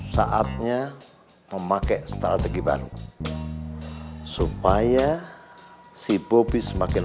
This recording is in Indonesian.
saatnya memakai strategi baru supaya si bobi semakin